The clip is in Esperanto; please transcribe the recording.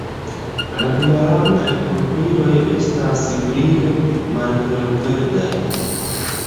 La duarangaj kovriloj estas brile malhelverdaj.